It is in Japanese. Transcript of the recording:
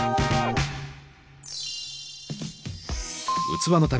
器の旅